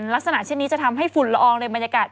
ลักษณะเช่นนี้จะทำให้ฝุ่นละอองในบรรยากาศ